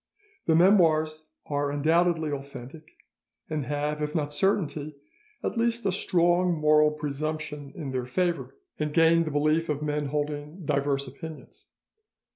The 'Memoires' are undoubtedly authentic, and have, if not certainty, at least a strong moral presumption in their favour, and gained the belief of men holding diverse opinions.